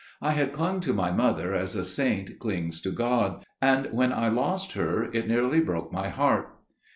I had clung to my mother as a saint clings to God: and when I lost her, it nearly broke my heart.